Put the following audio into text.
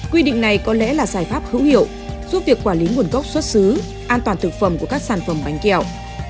quy định này có lẽ là giải pháp hữu hiệu giúp việc quản lý nguồn gốc xuất xứ an toàn thực phẩm của các sản phẩm bánh kẹo